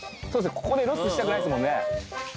ここでロスしたくないですもんね。